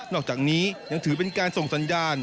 อกจากนี้ยังถือเป็นการส่งสัญญาณ